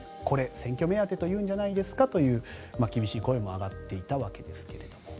これ、選挙目当てというんじゃないですかという厳しい声も上がっていたわけですが。